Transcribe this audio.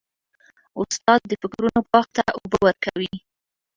استاد د فکرونو باغ ته اوبه ورکوي.